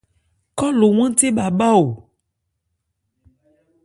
Khɔ lo hwánthe bha bhá o.